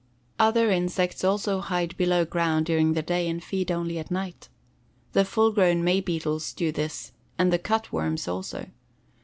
Other insects also hide below ground during the day and feed only at night. The full grown May beetles do this, and the cut worms also.